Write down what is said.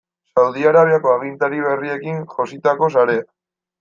Saudi Arabiako agintari berriekin jositako sarea.